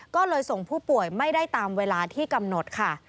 ก็เลยส่งผู้ป่วยไม่ได้ตามเวลาที่กำหนดค่ะ